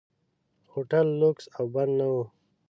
هوټل لکس او بد نه و.